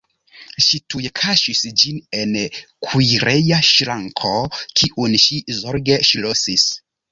Ŝi tuj kaŝis ĝin en la kuireja ŝranko, kiun ŝi zorge ŝlosis.